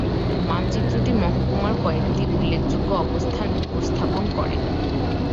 মানচিত্রটি মহকুমার কয়েকটি উল্লেখযোগ্য অবস্থান উপস্থাপন করে।